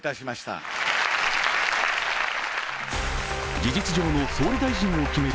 事実上の総理大臣を決める